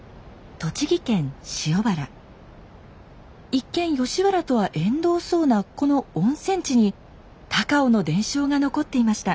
一見吉原とは縁遠そうなこの温泉地に高尾の伝承が残っていました。